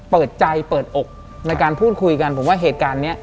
เปิดใจเปิดอกในการพูดคุยกันผมว่าเหตุการณ์นี้